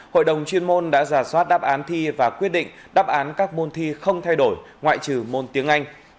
hội đồng chuyên môn đã giả soát đáp án thi và quyết định đáp án các môn thi không thay đổi ngoại trừ môn tiếng anh